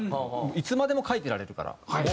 いつまでも書いてられるから。